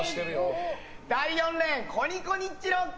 第４レーンコニコニッチロー君。